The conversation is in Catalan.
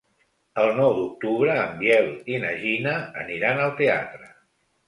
El nou d'octubre en Biel i na Gina aniran al teatre.